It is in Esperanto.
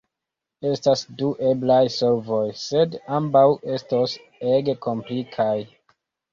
Estas du eblaj solvoj, sed ambaŭ estos ege komplikaj.